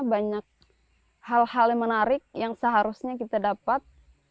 banyak hal hal yang menarik yang seharusnya kita dapat